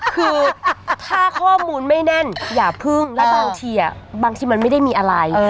คือถ้าข้อมูลไม่แน่นอย่าพึ่งและบางทีบางทีมันไม่ได้มีอะไร